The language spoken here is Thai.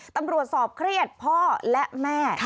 ตำรวจสอบเครียดพ่อและแม่